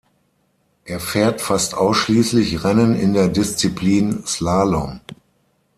Er fährt fast ausschließlich Rennen in der Disziplin Slalom.